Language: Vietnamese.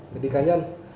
máy tính cá nhân